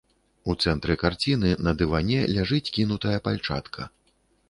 У цэнтры карціны на дыване ляжыць кінутая пальчатка.